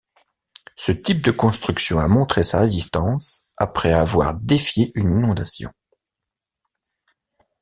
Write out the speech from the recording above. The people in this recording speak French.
Ce type de construction a montré sa résistance après avoir défié une inondation.